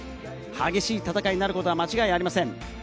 激しい戦いになることは間違いありません。